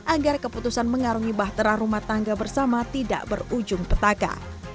agar keputusan mengarungi bahtera rumah tangga bersama tidak berujung petaka